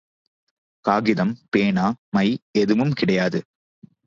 காகிதம், பேனா, மை எதுவும் கிடையாது.